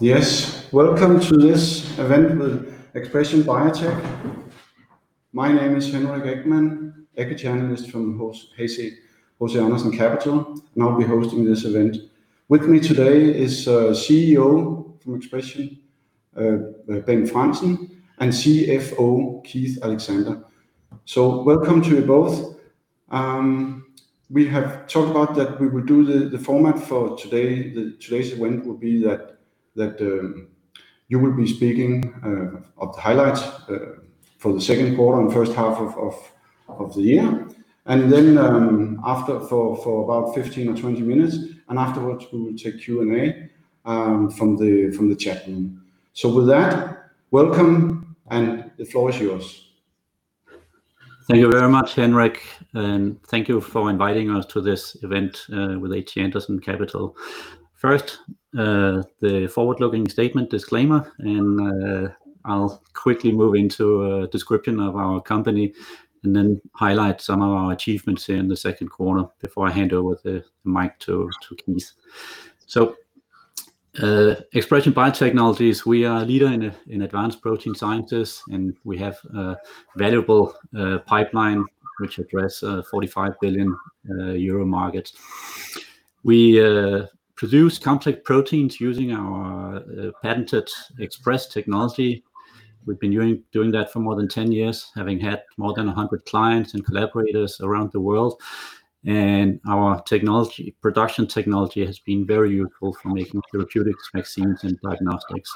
Yes. Welcome to this event with ExpreS2ion Biotech. My name is Henrik Ekman, Equity Analyst from HC Andersen Capital. I'll be hosting this event. With me today is CEO from ExpreS2ion, Bent Frandsen, and CFO, Keith Alexander. Welcome to you both. We have talked about that we will do the format for today. Today's event will be that you will be speaking of the highlights for the second quarter and first half of the year, then after for about 15 or 20 minutes, afterwards we will take Q&A from the chat room. With that, welcome. The floor is yours. Thank you very much, Henrik, and thank you for inviting us to this event with HC Andersen Capital. First, the forward-looking statement disclaimer. I'll quickly move into a description of our company then highlight some of our achievements here in the second quarter before I hand over the mic to Keith. ExpreS2ion Biotechnologies, we are a leader in advanced protein sciences, we have a valuable pipeline which address a 45 billion euro market. We produce complex proteins using our patented ExpreS2 technology. We've been doing that for more than 10 years, having had more than 100 clients and collaborators around the world. Our production technology has been very useful for making therapeutics, vaccines, and diagnostics.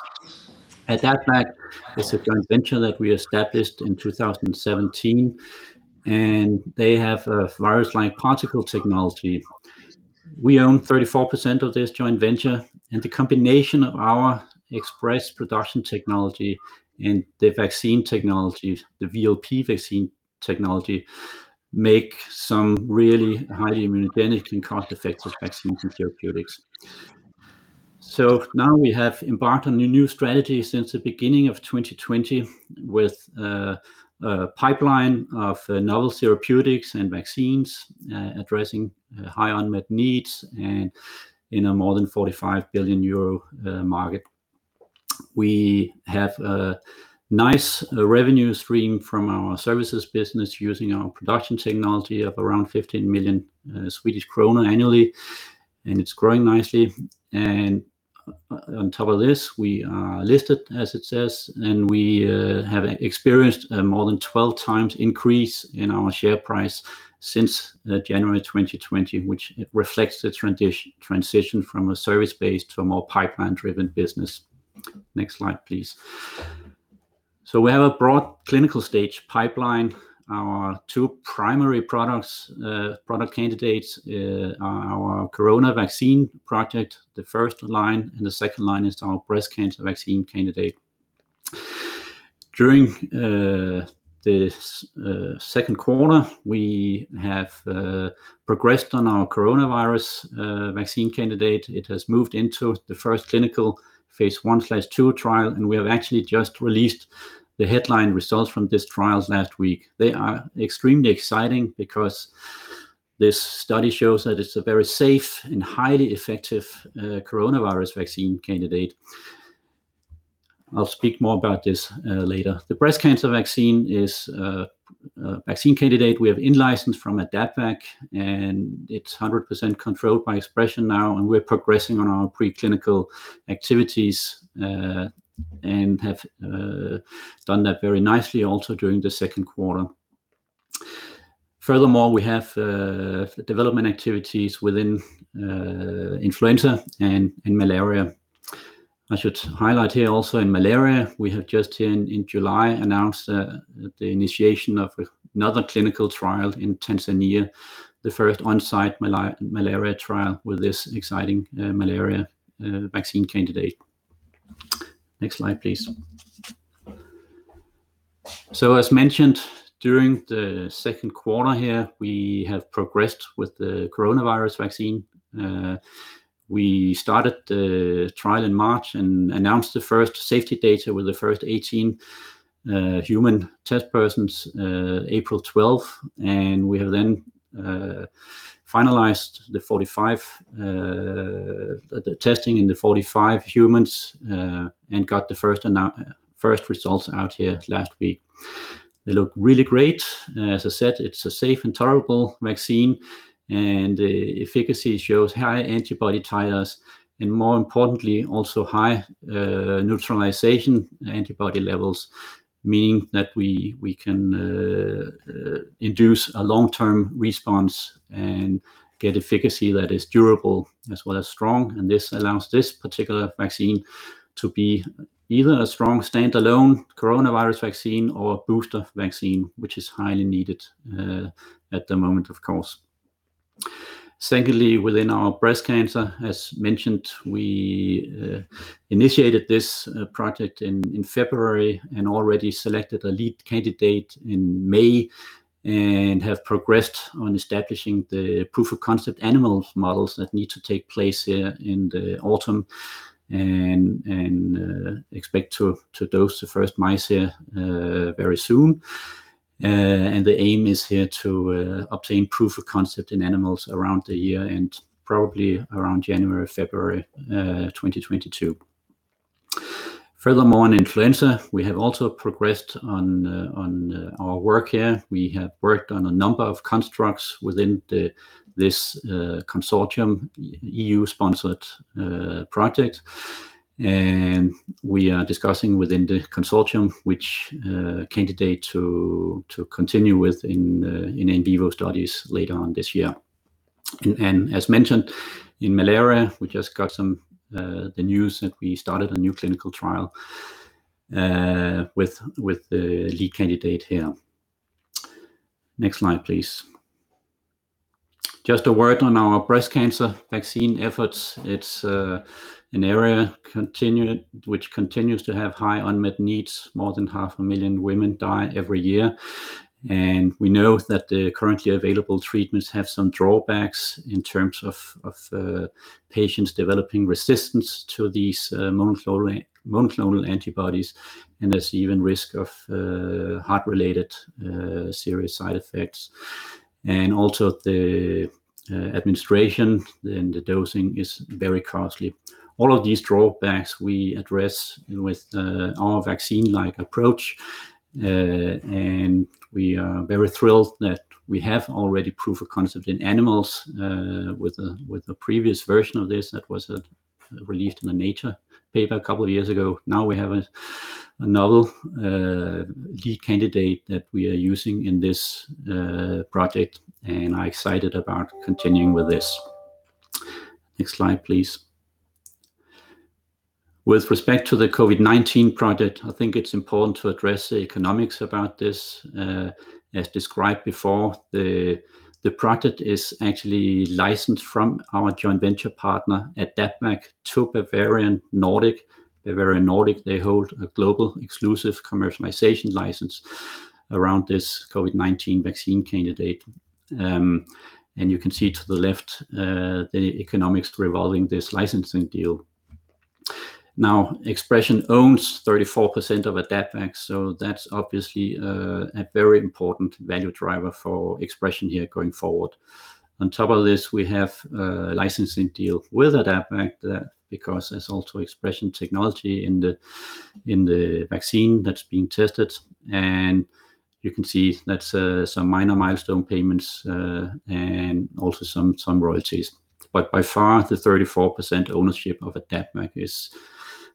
AdaptVac is a joint venture that we established in 2017, they have a virus-like particle technology. We own 34% of this joint venture, the combination of our ExpreS2 production technology and the vaccine technology, the VLP vaccine technology, make some really highly immunogenic and cost-effective vaccines and therapeutics. Now we have embarked on a new strategy since the beginning of 2020 with a pipeline of novel therapeutics and vaccines addressing high unmet needs and in a more than 45 billion euro market. We have a nice revenue stream from our services business using our production technology of around 15 million Swedish krona annually, and it's growing nicely. On top of this, we are listed, as it says, and we have experienced more than 12x increase in our share price since January 2020, which reflects the transition from a service-based to a more pipeline-driven business. Next slide, please. We have a broad clinical stage pipeline. Our two primary product candidates are our corona vaccine project, the first line, and the second line is our breast cancer vaccine candidate. During the second quarter, we have progressed on our coronavirus vaccine candidate. It has moved into the first clinical phase I, phase II trial, and we have actually just released the headline results from these trials last week. They are extremely exciting because this study shows that it's a very safe and highly effective coronavirus vaccine candidate. I'll speak more about this later. The breast cancer vaccine is a vaccine candidate we have in-licensed from AdaptVac, and it's 100% controlled by ExpreS2ion now, and we're progressing on our preclinical activities, and have done that very nicely also during the second quarter. Furthermore, we have development activities within influenza and in malaria. I should highlight here also in malaria, we have just here in July announced the initiation of another clinical trial in Tanzania, the first on-site malaria trial with this exciting malaria vaccine candidate. Next slide, please. As mentioned during the second quarter here, we have progressed with the coronavirus vaccine. We started the trial in March and announced the first safety data with the first 18 human test persons April 12th, and we have then finalized the testing in the 45 humans, and got the first results out here last week. They look really great. As I said, it's a safe and tolerable vaccine, and the efficacy shows high antibody titers, and more importantly, also high neutralization antibody levels, meaning that we can induce a long-term response and get efficacy that is durable as well as strong. This allows this particular vaccine to be either a strong standalone coronavirus vaccine or a booster vaccine, which is highly needed at the moment, of course. Secondly, within our breast cancer, as mentioned, we initiated this project in February and already selected a lead candidate in May and have progressed on establishing the proof-of-concept animal models that need to take place here in the autumn, and expect to dose the first mice here very soon. The aim is here to obtain proof of concept in animals around the year, and probably around January or February 2022. Furthermore, in influenza, we have also progressed on our work here. We have worked on a number of constructs within this consortium, EU-sponsored project. We are discussing within the consortium which candidate to continue with in in vivo studies later on this year. As mentioned, in malaria, we just got the news that we started a new clinical trial with the lead candidate here. Next slide, please. Just a word on our breast cancer vaccine efforts. It's an area which continues to have high unmet needs. More than 500,000 women die every year. We know that the currently available treatments have some drawbacks in terms of patients developing resistance to these monoclonal antibodies, and there's even risk of heart-related serious side effects. Also the administration and the dosing is very costly. All of these drawbacks we address with our vaccine-like approach. We are very thrilled that we have already proof of concept in animals with a previous version of this that was released in the "Nature" paper a couple of years ago. Now we have a novel lead candidate that we are using in this project, and are excited about continuing with this. Next slide, please. With respect to the COVID-19 project, I think it's important to address the economics about this. As described before, the project is actually licensed from our joint venture partner at AdaptVac to Bavarian Nordic. Bavarian Nordic, they hold a global exclusive commercialization license around this COVID-19 vaccine candidate. You can see to the left, the economics revolving this licensing deal. Now, ExpreS2ion owns 34% of AdaptVac, so that's obviously a very important value driver for ExpreS2ion here going forward. On top of this, we have a licensing deal with AdaptVac there, because there's also ExpreS2ion technology in the vaccine that's being tested. You can see that's some minor milestone payments, and also some royalties. By far, the 34% ownership of AdaptVac is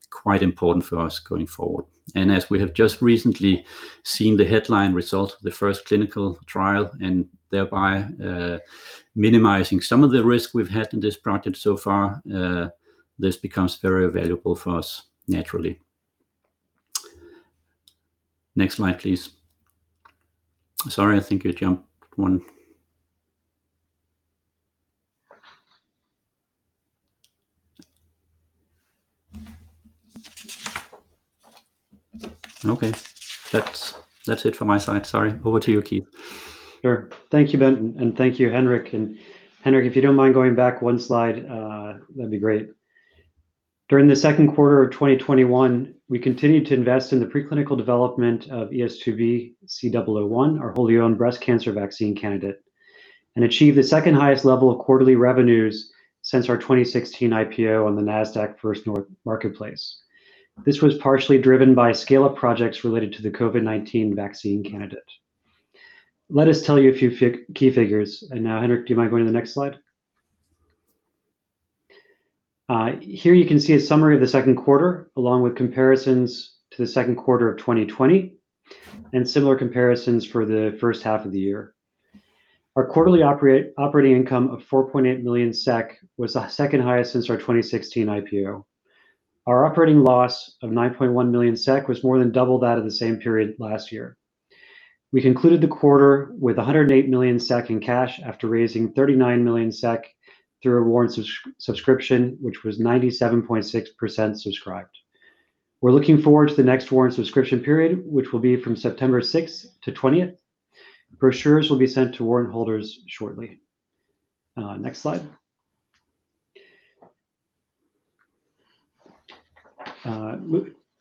quite important for us going forward. As we have just recently seen the headline result of the first clinical trial, and thereby minimizing some of the risk we've had in this project so far, this becomes very valuable for us naturally. Next slide, please. Sorry, I think you jumped one. Okay. That's it for my side. Sorry. Over to you, Keith. Sure. Thank you, Bent, and thank you, Henrik. Henrik, if you don't mind going back one slide, that'd be great. During the second quarter of 2021, we continued to invest in the preclinical development of ES2B-C001, our wholly-owned breast cancer vaccine candidate, and achieved the second highest level of quarterly revenues since our 2016 IPO on the Nasdaq First North Growth Market. This was partially driven by scale-up projects related to the COVID-19 vaccine candidate. Let us tell you a few key figures. Now, Henrik, do you mind going to the next slide? Here you can see a summary of the second quarter, along with comparisons to the second quarter of 2020, and similar comparisons for the first half of the year. Our quarterly operating income of 4.8 million SEK was the second highest since our 2016 IPO. Our operating loss of 9.1 million SEK was more than double that of the same period last year. We concluded the quarter with 108 million SEK in cash after raising 39 million SEK through a warrants subscription, which was 97.6% subscribed. We're looking forward to the next warrants subscription period, which will be from September 6th-20th. Brochures will be sent to warrant holders shortly. Next slide.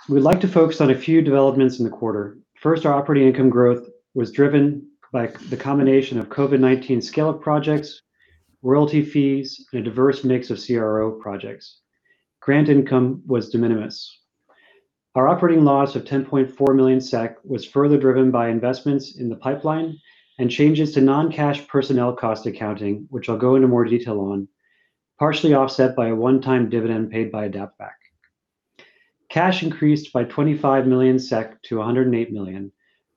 We'd like to focus on a few developments in the quarter. First, our operating income growth was driven by the combination of COVID-19 scale-up projects, royalty fees, and a diverse mix of CRO projects. Grant income was de minimis. Our operating loss of 10.4 million SEK was further driven by investments in the pipeline and changes to non-cash personnel cost accounting, which I'll go into more detail on, partially offset by a one-time dividend paid by AdaptVac. Cash increased by 25 million SEK to 108 million,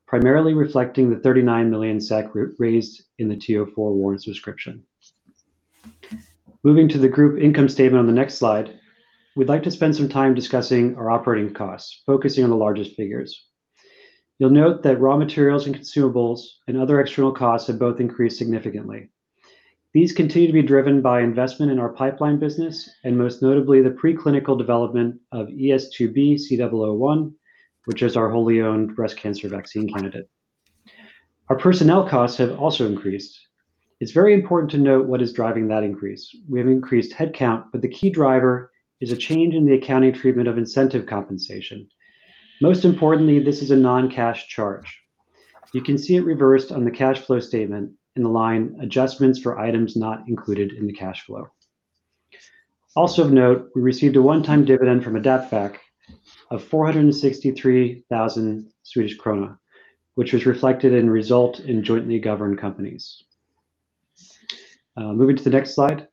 primarily reflecting the 39 million SEK raised in the TO4 warrants subscription. Moving to the group income statement on the next slide, we'd like to spend some time discussing our operating costs, focusing on the largest figures. You'll note that raw materials and consumables and other external costs have both increased significantly. These continue to be driven by investment in our pipeline business, and most notably, the preclinical development of ES2B-C001, which is our wholly owned breast cancer vaccine candidate. Our personnel costs have also increased. It's very important to note what is driving that increase. We have increased headcount, but the key driver is a change in the accounting treatment of incentive compensation. Most importantly, this is a non-cash charge. You can see it reversed on the cash flow statement in the line adjustments for items not included in the cash flow. Also of note, we received a one-time dividend from AdaptVac of 463,000 Swedish krona, which was reflected in result in jointly governed companies. Moving to the next slide.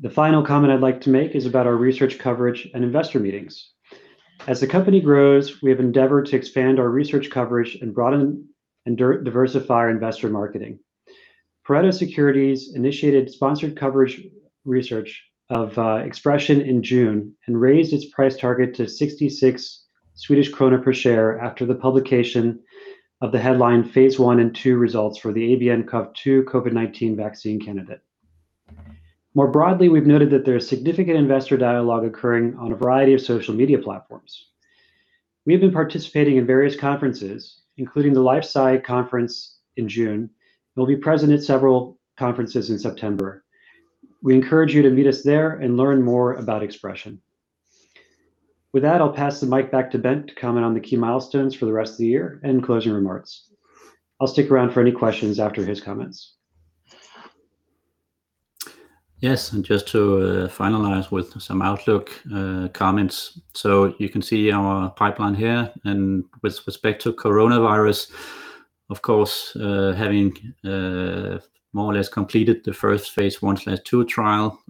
The final comment I'd like to make is about our research coverage and investor meetings. As the company grows, we have endeavored to expand our research coverage and broaden and diversify our investor marketing. Pareto Securities initiated sponsored coverage research of ExpreS2ion in June and raised its price target to 66 Swedish krona per share after the publication of the headline phase I and II results for the ABNCoV2 COVID-19 vaccine candidate. More broadly, we've noted that there is significant investor dialogue occurring on a variety of social media platforms. We have been participating in various conferences, including the LifeSci conference in June, and we'll be present at several conferences in September. We encourage you to meet us there and learn more about ExpreS2ion. With that, I'll pass the mic back to Bent to comment on the key milestones for the rest of the year and closing remarks. I'll stick around for any questions after his comments. Yes, just to finalize with some outlook comments. You can see our pipeline here. With respect to coronavirus, of course, having more or less completed the first phase I, phase II trial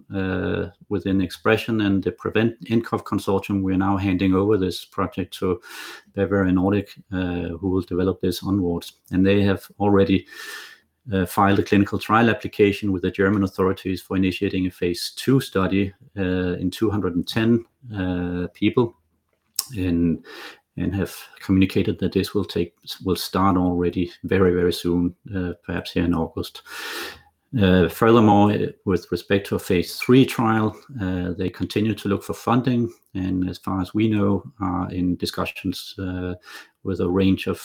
within ExpreS2ion and the PREVENT-nCoV consortium, we are now handing over this project to Bavarian Nordic, who will develop this onwards. They have already filed a clinical trial application with the German authorities for initiating a phase II study in 210 people, and have communicated that this will start already very, very soon, perhaps here in August. Furthermore, with respect to a phase III trial, they continue to look for funding and, as far as we know, are in discussions with a range of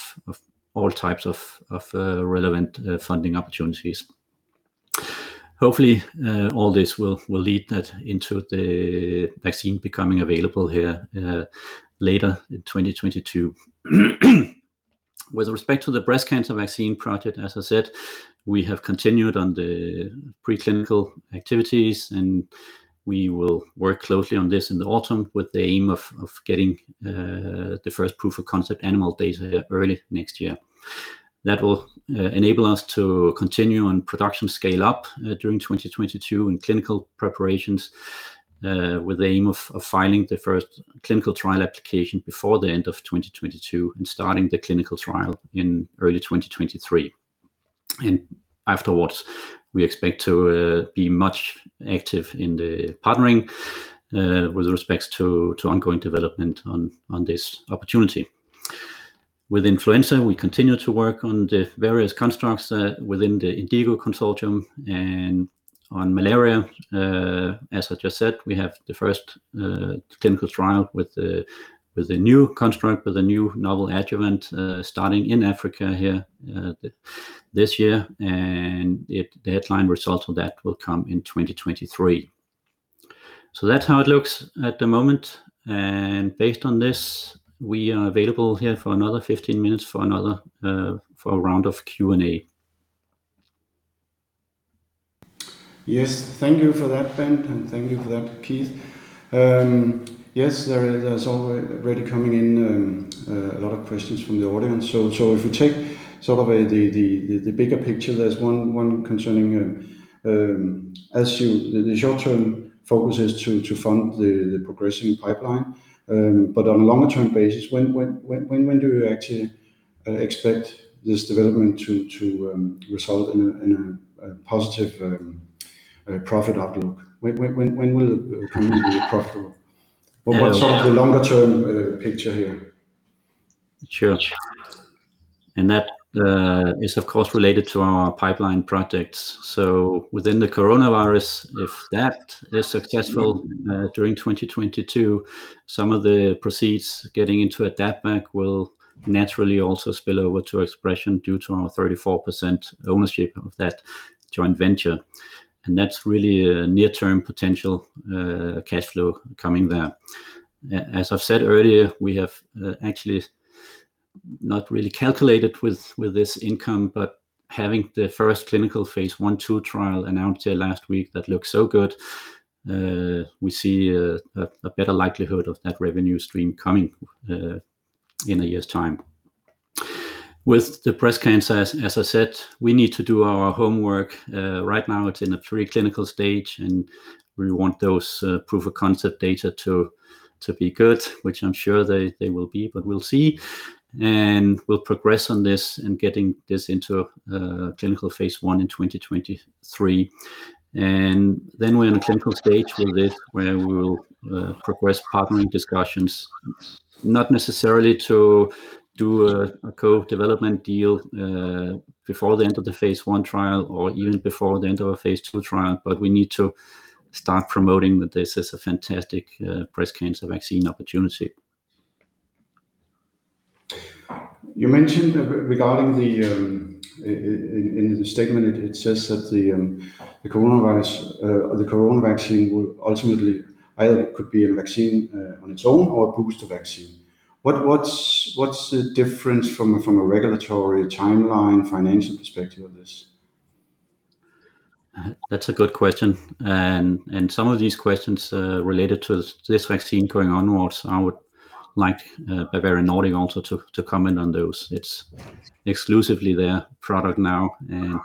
all types of relevant funding opportunities. Hopefully, all this will lead that into the vaccine becoming available here later in 2022. With respect to the breast cancer vaccine project, as I said, we have continued on the preclinical activities. We will work closely on this in the autumn with the aim of getting the first proof of concept animal data early next year. That will enable us to continue on production scale-up during 2022 and clinical preparations, with the aim of filing the first clinical trial application before the end of 2022 and starting the clinical trial in early 2023. Afterwards, we expect to be much active in the partnering with respects to ongoing development on this opportunity. With influenza, we continue to work on the various constructs within the INDIGO consortium. On malaria, as I just said, we have the first clinical trial with the new construct, with the new novel adjuvant, starting in Africa here this year. The headline results of that will come in 2023. That's how it looks at the moment. Based on this, we are available here for another 15 minutes for a round of Q&A. Yes. Thank you for that, Bent, and thank you for that, Keith. Yes, there's already coming in a lot of questions from the audience. If you take the bigger picture, there's one concerning as the short-term focus is to fund the progressing pipeline. On a longer-term basis, when do we actually expect this development to result in a positive profit outlook? When will the company be profitable? What's the longer-term picture here? Sure. That is, of course, related to our pipeline projects. Within the coronavirus, if that is successful during 2022, some of the proceeds getting into AdaptVac will naturally also spill over to ExpreS2ion due to our 34% ownership of that joint venture. That's really a near-term potential cash flow coming there. As I've said earlier, we have actually not really calculated with this income, but having the first clinical phase I/II trial announced here last week that looks so good, we see a better likelihood of that revenue stream coming in a year's time. With the breast cancer, as I said, we need to do our homework. Right now it's in a preclinical stage, and we want those proof of concept data to be good, which I'm sure they will be, but we'll see. We'll progress on this and getting this into a clinical phase I in 2023. Then when in the clinical stage, we'll request partnering discussions, not necessarily to do a co-development deal before the end of the phase I trial or even before the end of a phase II trial, but we need to start promoting that this is a fantastic breast cancer vaccine opportunity. You mentioned in the statement that the corona vaccine will ultimately either be a vaccine on its own or a booster vaccine. What's the difference from a regulatory timeline, financial perspective of this? That's a good question. Some of these questions related to this vaccine going onwards, I would like Bavarian Nordic also to comment on those. It's exclusively their product now, and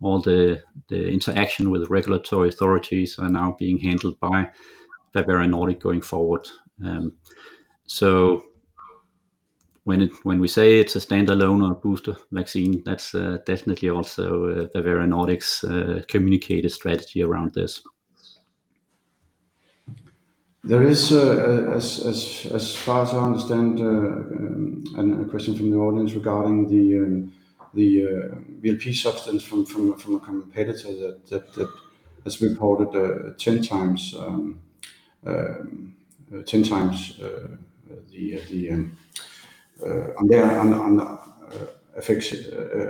all the interaction with regulatory authorities are now being handled by Bavarian Nordic going forward. When we say it's a standalone or a booster vaccine, that's definitely also Bavarian Nordic's communicated strategy around this. There is, as far as I understand, a question from the audience regarding the VLP substance from a competitor that has reported 10x the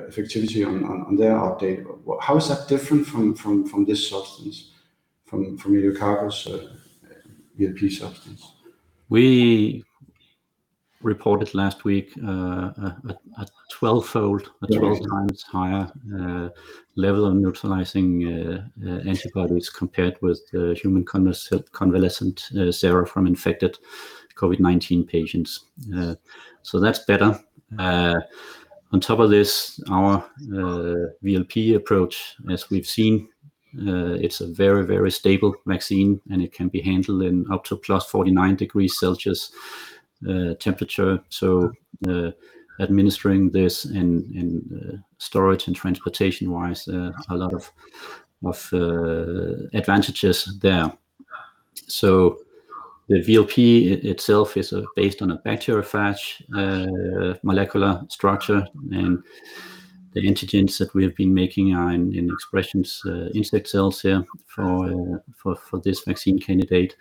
effectivity on their update. How is that different from this substance, from Medicago's VLP substance? We reported last week a 12-fold. Yeah. a 12x higher level of neutralizing antibodies compared with human convalescent sera from infected COVID-19 patients. That's better. On top of this, our VLP approach, as we've seen, it's a very, very stable vaccine, and it can be handled in up to +49 degrees Celsius temperature. Administering this in storage and transportation-wise, a lot of advantages there. The VLP itself is based on a bacteriophage molecular structure, and the antigens that we have been making are in ExpreS2ion's insect cells here for this vaccine candidate.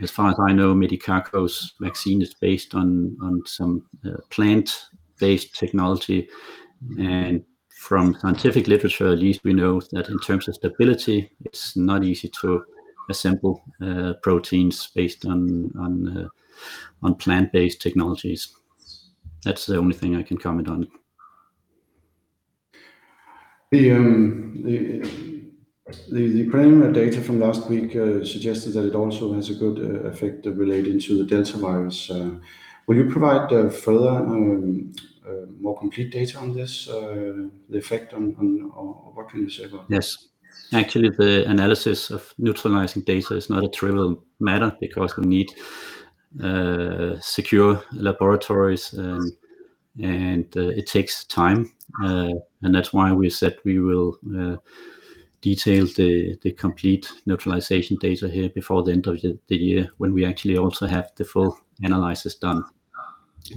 As far as I know, Medicago's vaccine is based on some plant-based technology. From scientific literature, at least we know that in terms of stability, it's not easy to assemble proteins based on plant-based technologies. That's the only thing I can comment on. The preliminary data from last week suggested that it also has a good effect relating to the Delta virus. Will you provide further, more complete data on this, the effect on, or what can you say about it? Yes. Actually, the analysis of neutralizing data is not a trivial matter because we need secure laboratories, and it takes time. That's why we said we will detail the complete neutralization data here before the end of the year, when we actually also have the full analysis done.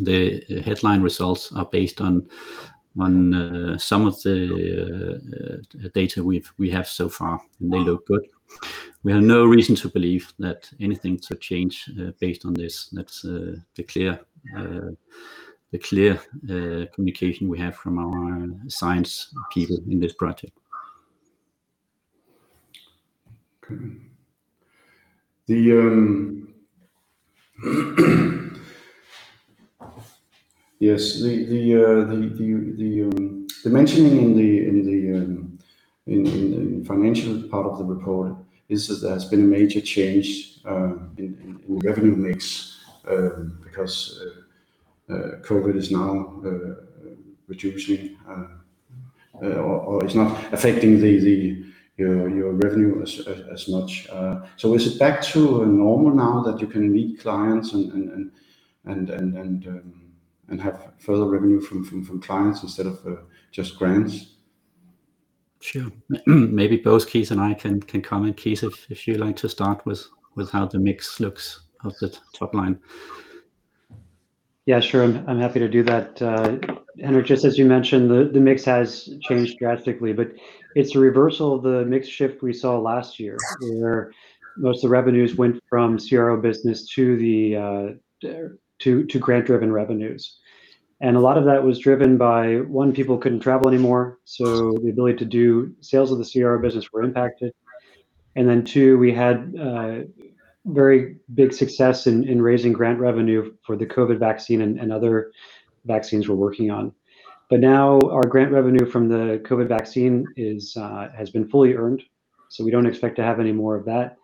The headline results are based on some of the data we have so far, and they look good. We have no reason to believe that anything should change based on this. That's the clear communication we have from our science people in this project. Okay. Yes. The mentioning in the financial part of the report is that there has been a major change in revenue mix, because COVID is now reducing or is not affecting your revenue as much. Is it back to a normal now that you can meet clients and have further revenue from clients instead of just grants? Sure. Maybe both Keith and I can comment. Keith, if you'd like to start with how the mix looks of the top line. Yeah, sure. I'm happy to do that. Henrik, just as you mentioned, the mix has changed drastically, but it's a reversal of the mix shift we saw last year where most of the revenues went from CRO business to grant-driven revenues. A lot of that was driven by, one, people couldn't travel anymore, so the ability to do sales of the CRO business were impacted. Two, we had very big success in raising grant revenue for the COVID vaccine and other vaccines we're working on. Now our grant revenue from the COVID vaccine has been fully earned, so we don't expect to have any more of that.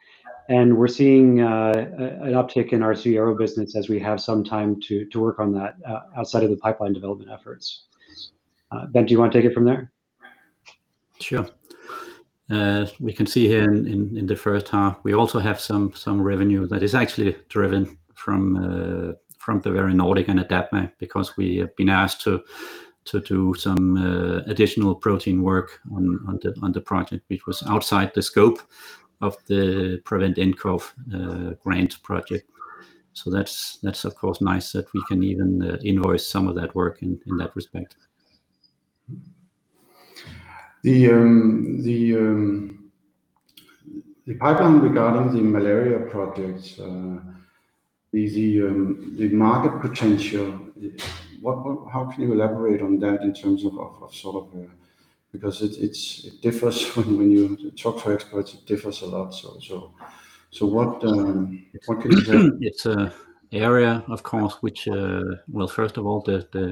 We're seeing an uptick in our CRO business as we have some time to work on that outside of the pipeline development efforts. Bent, do you want to take it from there? Sure. We can see here in the first half, we also have some revenue that is actually driven from the Bavarian Nordic and AdaptVac because we have been asked to do some additional protein work on the project, which was outside the scope of the PREVENT-nCoV grant project. That's of course nice that we can even invoice some of that work in that respect. The pipeline regarding the malaria projects, the market potential, how can you elaborate on that? It differs when you talk to experts, it differs a lot. What can you say? It's an area, of course, which first of all, the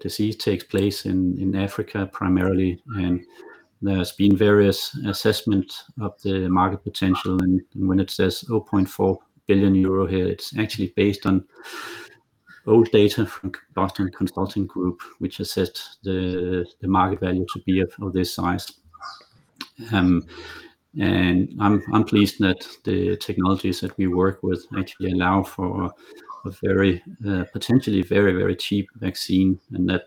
disease takes place in Africa primarily, and there's been various assessments of the market potential. When it says 0.4 billion euro here, it's actually based on old data from Boston Consulting Group, which assessed the market value to be of this size. I'm pleased that the technologies that we work with actually allow for a potentially very cheap vaccine, and that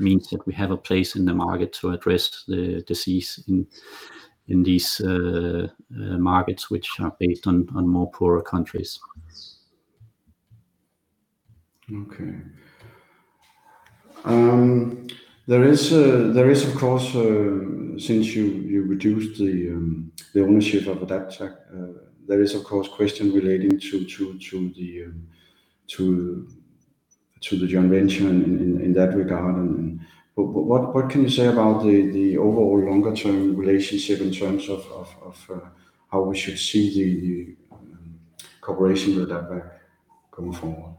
means that we have a place in the market to address the disease in these markets which are based on more poorer countries. Okay. There is, of course, since you reduced the ownership of AdaptVac, there is, of course, question relating to the joint venture in that regard. What can you say about the overall longer-term relationship in terms of how we should see the cooperation with AdaptVac going forward?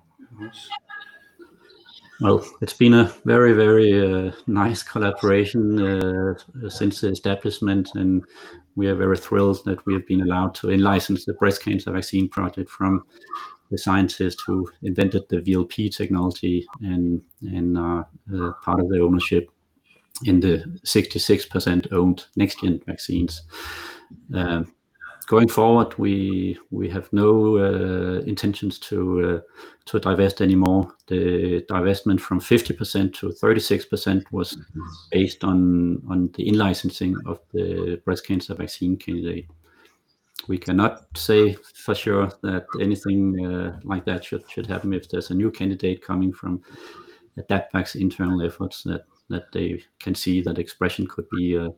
Well, it's been a very nice collaboration since the establishment, and we are very thrilled that we have been allowed to in-license the breast cancer vaccine project from the scientists who invented the VLP technology and are part of the ownership in the 66% owned NextGen Vaccines. The divestment from 50%-36% was based on the in-licensing of the breast cancer vaccine candidate. We cannot say for sure that anything like that should happen if there's a new candidate coming from AdaptVac's internal efforts that they can see that ExpreS2ion could be a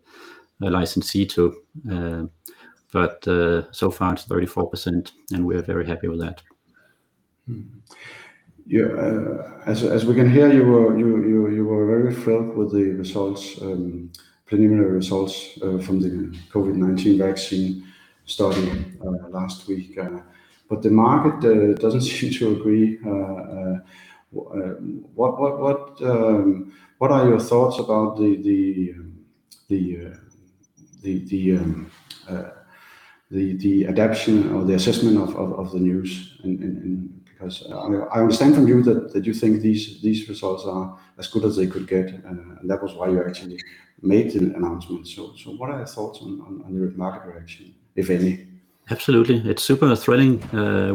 licensee to. So far, it's 34% and we are very happy with that. As we can hear, you are very thrilled with the preliminary results from the COVID-19 vaccine study last week. The market doesn't seem to agree. What are your thoughts about the adaption or the assessment of the news? I understand from you that you think these results are as good as they could get, and that was why you actually made the announcement. What are your thoughts on the market direction, if any? Absolutely. It's super thrilling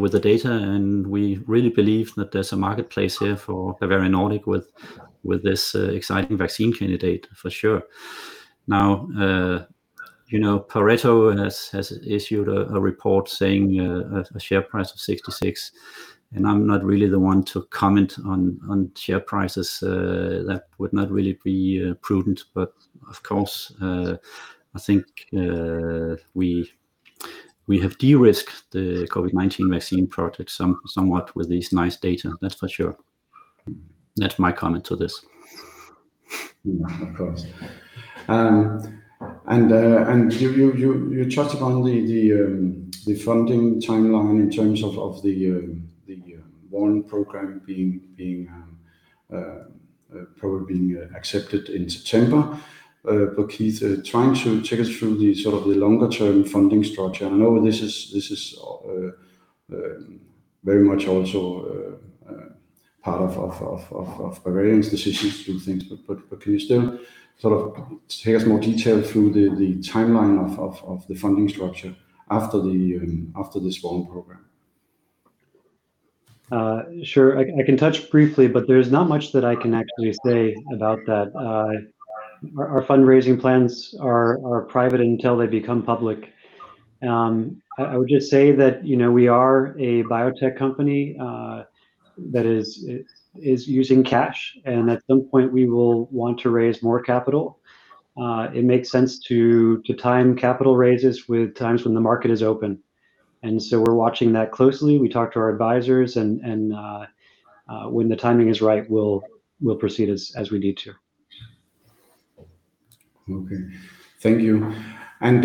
with the data, and we really believe that there's a marketplace here for Bavarian Nordic with this exciting vaccine candidate, for sure. Pareto has issued a report saying a share price of 66, and I'm not really the one to comment on share prices. That would not really be prudent. Of course, I think we have de-risked the COVID-19 vaccine project somewhat with this nice data. That's for sure. That's my comment to this. Of course. You touched upon the funding timeline in terms of the ONE program probably being accepted in September. Keith, trying to take us through the sort of the longer-term funding structure. I know this is very much also part of Bavarian's decisions to do things. Can you still sort of take us more detail through the timeline of the funding structure after this ONE program? Sure. I can touch briefly, but there's not much that I can actually say about that. Our fundraising plans are private until they become public. I would just say that we are a biotech company that is using cash, and at some point, we will want to raise more capital. It makes sense to time capital raises with times when the market is open. We're watching that closely. We talk to our advisors, and when the timing is right, we'll proceed as we need to. Okay. Thank you. Bent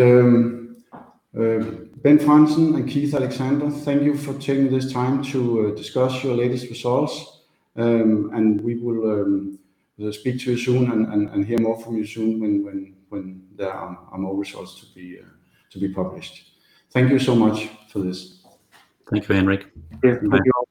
Frandsen and Keith Alexander, thank you for taking this time to discuss your latest results. We will speak to you soon and hear more from you soon when there are more results to be published. Thank you so much for this. Thank you, Henrik. Yeah. Thank you all.